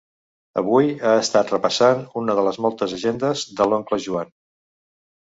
Avui ha estat repassant una de les moltes agendes de l'oncle Joan.